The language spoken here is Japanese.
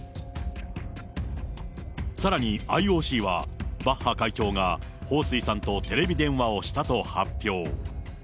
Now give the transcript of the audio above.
さらに、ＩＯＣはバッハ会長が彭帥さんとテレビ電話をしたと発表。